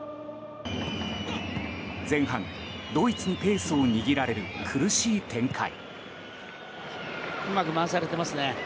前半ドイツにペースを握られる苦しい展開。